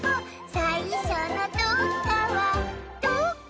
「さいしょのどっかはどこ？」